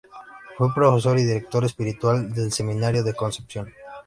Fue profesor y director espiritual del Seminario de Concepción.